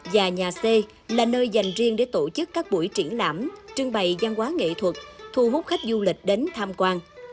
và nhà xe là nơi dành riêng để tổ chức các buổi triển lãm trưng bày gian hóa nghệ thuật thu hút khách du lịch đến tham quan